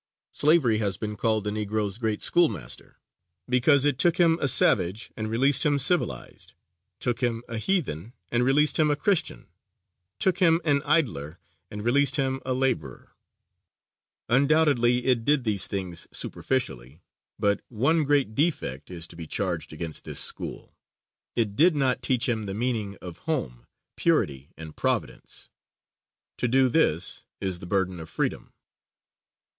Slavery has been called the Negro's great schoolmaster, because it took him a savage and released him civilized; took him a heathen and released him a Christian; took him an idler and released him a laborer. Undoubtedly it did these things superficially, but one great defect is to be charged against this school it did not teach him the meaning of home, purity and providence. To do this is the burden of freedom.